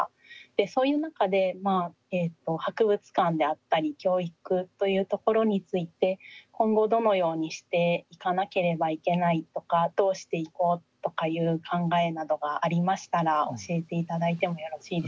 そういう中で博物館であったり教育というところについて今後どのようにしていかなければいけないとかどうしていこうとかいう考えなどがありましたら教えて頂いてもよろしいでしょうか。